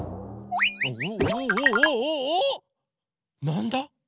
なんだ？